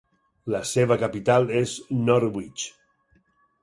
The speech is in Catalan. La seva capital és Norwich.